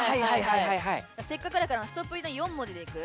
せっかくだから「すとぷり」の４文字でいく？